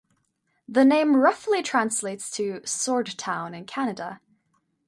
The name roughly translates to "sword town" in Kannada.